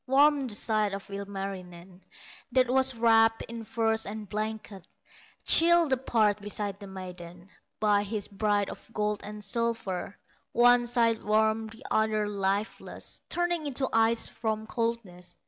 Warm the side of Ilmarinen That was wrapped in furs and blankets; Chill the parts beside the maiden, By his bride of gold and silver; One side warm, the other lifeless, Turning into ice from coldness.